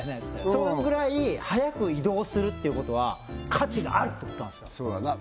そのぐらい速く移動するっていうことは価値があるってことなんですよ